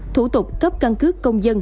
thủ tục cấp căn cứ công dân